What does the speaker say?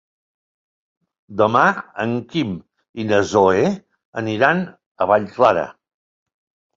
Demà en Quim i na Zoè aniran a Vallclara.